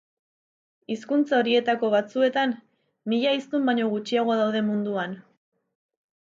Hizkuntza horietako batzuetan mila hiztun baino gutxiago daude munduan.